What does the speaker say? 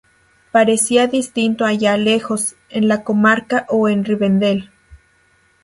Parecía distinto allá lejos, en la Comarca o en Rivendel.